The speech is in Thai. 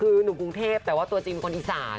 คือหนูกรุงเทพแต่ว่าตัวจริงเป็นคนอีสาน